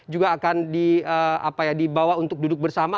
juga akan dibawa untuk duduk bersama